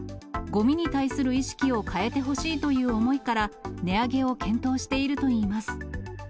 ごみに対する意識を変えてほしいという思いから、値上げを検討しているといいます。